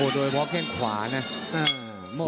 โอ้โหโดยบอกแข่งขวาเนี่ย